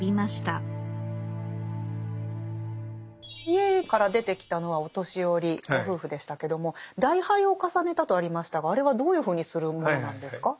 家から出てきたのはお年寄りご夫婦でしたけども「礼拝を重ねた」とありましたがあれはどういうふうにするものなんですか？